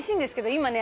今ね